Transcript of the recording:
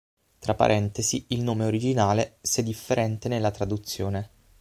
Tra parentesi il nome originale se differente nella traduzione.